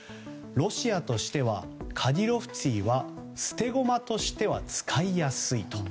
ロシアとしてはカディロフツィは捨て駒としては使いやすいと。